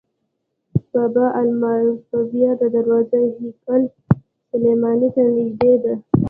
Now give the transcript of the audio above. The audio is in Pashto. باب المغاربه دروازه هیکل سلیماني ته نږدې ده.